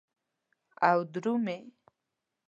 او درومې